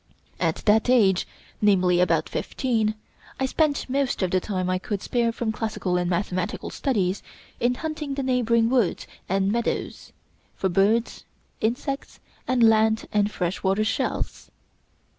At that age namely, about fifteen I spent most of the time I could spare from classical and mathematical studies in hunting the neighboring woods and meadows for birds, insects, and land and fresh water shells.